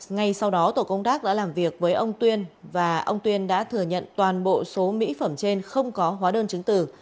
ngay sau đó tổ công tác đã làm việc với ông tuyên và ông tuyên đã thừa nhận toàn bộ số mỹ phẩm trên không có hóa đơn chứng tử